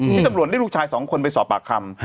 ที่ตำรวจเรียกลูกชาย๒คนไปสอบปากคำ